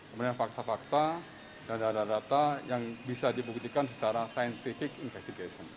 kemudian fakta fakta dan ada data yang bisa dibuktikan secara saintis